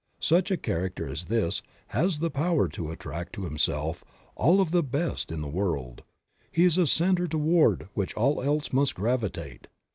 Such a character as this has the power to attract to himself all of the best in the world; he is a center toward which all else must gravitate.